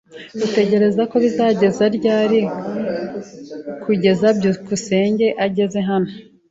Utekereza ko bizageza ryari kugeza byukusenge ageze hano?